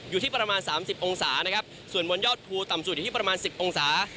อยู่ที่ประมาณ๓๐องศานะครับส่วนบนยอดภูต่ำสุดอยู่ที่ประมาณ๑๐องศา